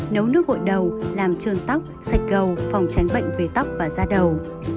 nấu nước hội đầu làm trơn tóc sạch gầu phòng tránh bệnh về tóc và da đầu